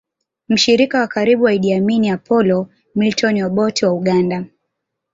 Mshirika wa karibu wa Idi Amin Apolo Milton Obote wa Uganda